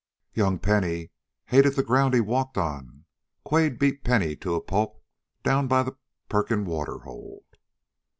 "Young Penny hated the ground he walked on. Quade beat Penny to a pulp down by the Perkin water hole."